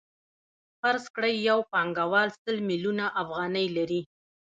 فرض کړئ یو پانګوال سل میلیونه افغانۍ لري